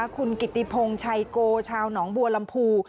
คุณกิติพงชัยโกชาวหนองบัวลำพู